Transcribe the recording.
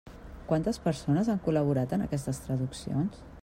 Quantes persones han col·laborat en aquestes traduccions?